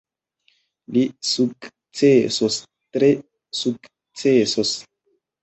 Li sukcesos, tre sukcesos.